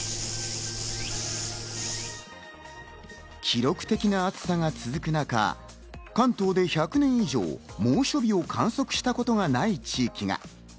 記録的な暑さが続く中、関東で１００年以上、猛暑日を観測したことがない地域が。